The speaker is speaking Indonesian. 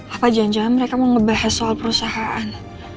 apa jangan jangan mereka mau ngebahas soal perusahaan